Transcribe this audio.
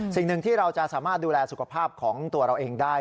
สิ่งหนึ่งที่เราจะสามารถดูแลสุขภาพของตัวเราเองได้